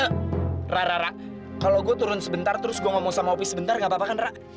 eh ra ra ra kalau gue turun sebentar terus gue ngomong sama opi sebentar gapapa kan ra